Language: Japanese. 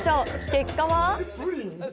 結果は？